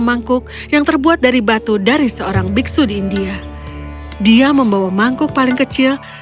mangkuk yang terbuat dari batu dari seorang biksu di india dia membawa mangkuk paling kecil